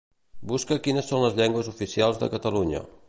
Busca quines són les llengües oficials de Catalunya.